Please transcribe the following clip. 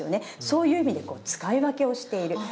そういう意味で使い分けをしている。